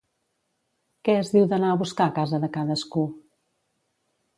Què es diu d'anar a buscar a casa de cadascú?